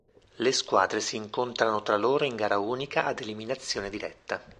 Le squadre si incontrano tra loro in gara unica ad eliminazione diretta.